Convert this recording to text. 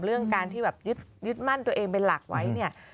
เรื่องการที่แบบยึดมั่นตัวเองเป็นหลักไว้เนี่ย